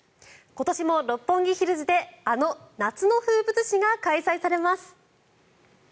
今年も六本木ヒルズであの夏の風物詩が開催されます。